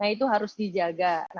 nah itu harus dijaga